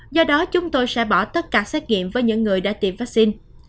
do đó chúng tôi sẽ bỏ tất cả xét nghiệm với những người đã tiêm vaccine